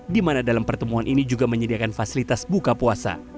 di mana dalam pertemuan ini juga menyediakan fasilitas buka puasa